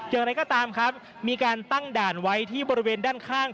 อย่างไรก็ตามครับมีการตั้งด่านไว้ที่บริเวณด้านข้าง